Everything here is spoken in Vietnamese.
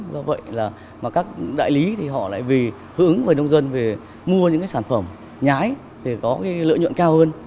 vì vậy là các đại lý thì họ lại hữu ứng với nông dân về mua những sản phẩm nhái để có lợi nhuận cao hơn